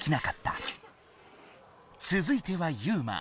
つづいてはユウマ。